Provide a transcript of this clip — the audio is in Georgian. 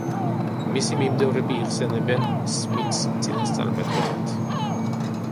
მისი მიმდევრები იხსენებენ სმითს წინასწარმეტყველად.